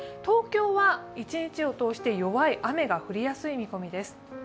東京は一日を通して弱い雨が降りやすい見込みです。